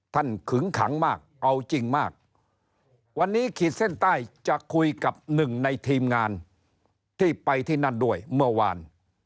ขึงขังมากเอาจริงมากวันนี้ขีดเส้นใต้จะคุยกับหนึ่งในทีมงานที่ไปที่นั่นด้วยเมื่อวาน